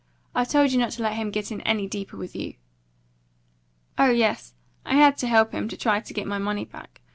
I told you not to let him get in any deeper with you." "Oh yes. I had to help him to try to get my money back.